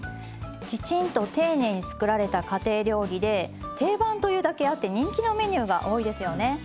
きちんと丁寧に作られた家庭料理で定番というだけあって人気のメニューが多いですよね。